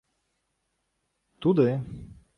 — Туди.